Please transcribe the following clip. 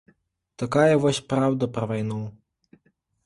Такая вось праўда пра вайну.